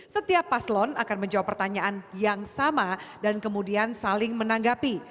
setiap paslon akan menjawab pertanyaan yang sama dan kemudian saling menanggapi